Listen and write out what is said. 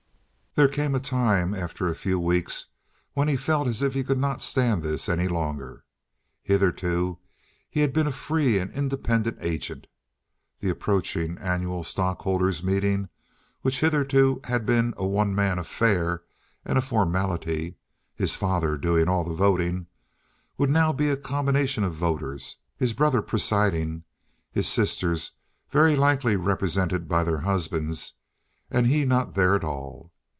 There came a time, after a few weeks, when he felt as if he could not stand this any longer. Hitherto he had been a free and independent agent. The approaching annual stockholder's meeting which hitherto had been a one man affair and a formality, his father doing all the voting, would be now a combination of voters, his brother presiding, his sisters very likely represented by their husbands, and he not there at all.